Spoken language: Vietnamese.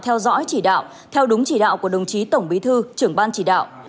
theo dõi chỉ đạo theo đúng chỉ đạo của đồng chí tổng bí thư trưởng ban chỉ đạo